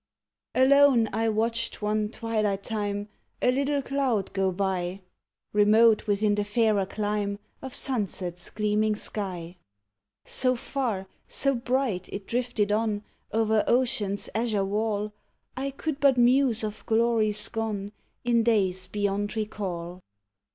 Alone I watched one twilight time A little cloud go by, Remote within the fairer clime Of sunset's gleaming sky. So far, so bright, it drifted on O'er ocean's azure wall I could but muse of glories gone, In days beyond recall.